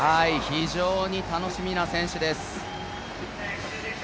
非常に楽しみな選手です。